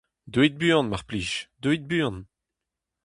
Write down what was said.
Deuit buan, mar plij, deuit buan !